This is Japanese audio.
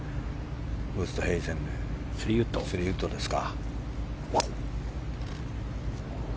ウーストヘイゼン３ウッドですか。